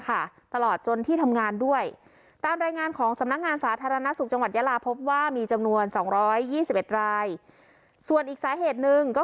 ประเทศทะแหลงตัวเลขผู้ติดเชื้อโควิดสิบเก้าวันนี้นะคะ